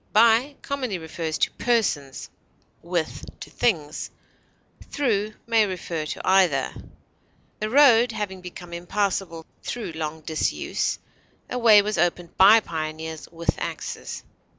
By commonly refers to persons; with, to things; through may refer to either. The road having become impassable through long disuse, a way was opened by pioneers with axes.